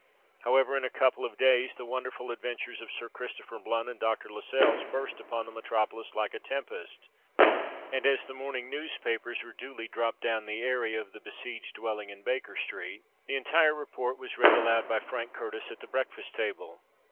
However, in a couple of days, the wonderful adventures of Sir Christopher Blunt and Dr. Lascelles burst upon the metropolis like a tempest; and, as the morning newspapers were duly dropped down the area of the besieged dwelling in Baker Street, the entire report was read aloud by Frank Curtis at the breakfast table.